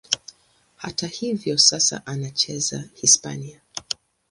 Hata hivyo, sasa anacheza Hispania.